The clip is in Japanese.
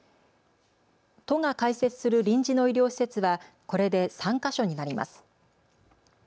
都が開設する臨時の医療施設はこれで３か所になります。